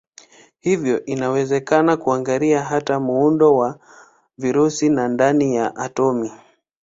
Hivyo inawezekana kuangalia hata muundo wa virusi na ndani ya atomi.